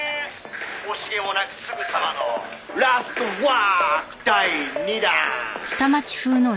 「惜しげもなくすぐさまの『ラストワーク』第２弾」